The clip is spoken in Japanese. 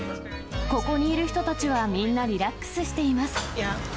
ここにいる人たちは、みんなリラックスしています。